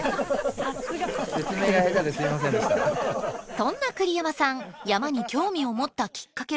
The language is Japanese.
そんな栗山さん「山」に興味を持ったきっかけは。